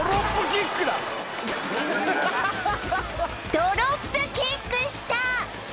ドロップキックした！